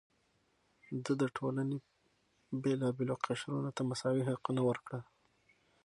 ده د ټولنې بېلابېلو قشرونو ته مساوي حقونه ورکړل.